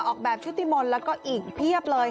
ออกแบบชุติมนต์แล้วก็อีกเพียบเลย